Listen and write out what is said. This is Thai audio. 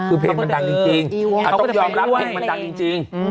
คือเพลงมันดังจริงเขาก็จะไปด้วยต้องยอมรับเพลงมันดังจริง